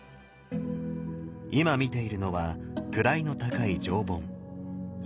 今見ているのは位の高い上品。